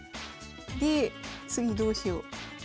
で次どうしよう。